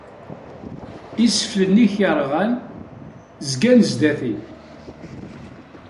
Iseflen-ik yerɣan zgan sdat-i.